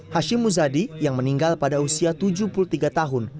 hashim muzadi yang meninggal pada usia tujuh puluh tiga tahun